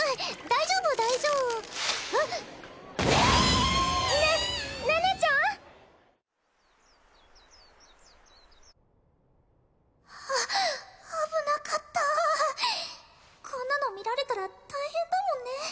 大丈ねっ寧々ちゃん！あっ危なかったこんなの見られたら大変だもんね